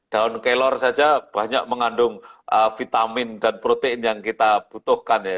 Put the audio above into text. daun kelor saja banyak mengandung vitamin dan protein yang kita butuhkan ya